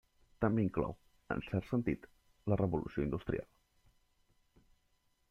També inclou, en cert sentit, la Revolució Industrial.